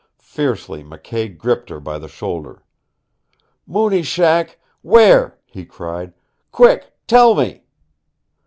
Fiercely McKay gripped her by the shoulder. "Mooney's shack where?" he cried. "Quick! Tell me!"